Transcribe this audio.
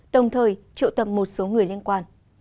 đồng thời triệu tập một số người liên quan